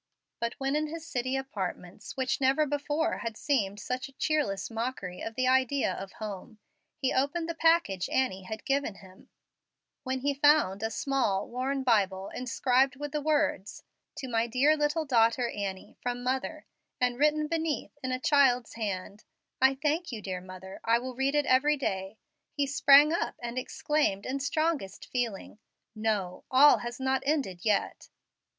But when in his city apartments, which never before had seemed such a cheerless mockery of the idea of home, he opened the package Annie had given him when he found a small, worn Bible, inscribed with the words, "To my dear little daughter Annie, from mother," and written beneath, in a child's hand, "I thank you, dear mother. I will read it every day" he sprang up, and exclaimed it strongest feeling, "No, all has not ended yet."